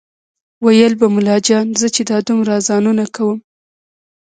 ویل به ملا جان زه چې دا دومره اذانونه کوم